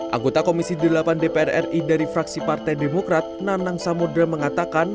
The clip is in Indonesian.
anggota komisi delapan dpr ri dari fraksi partai demokrat nanang samudera mengatakan